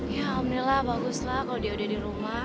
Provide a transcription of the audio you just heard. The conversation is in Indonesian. ya alhamdulillah bagus lah kalau dia udah di rumah